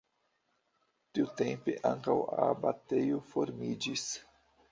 Tiutempe ankaŭ abatejo formiĝis.